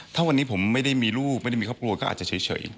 ถ้าวันนี้ผมไม่ได้มีลูกไม่ได้มีครอบครัวก็อาจจะเฉย